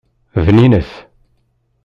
Bninet.